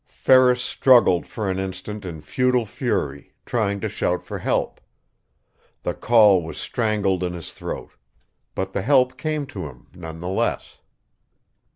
Ferris struggled for an instant in futile fury, trying to shout for help. The call was strangled in his throat. But the help came to him, none the less.